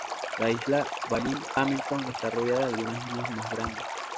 La isla Baillie-Hamilton está rodeada de algunas islas más grandes.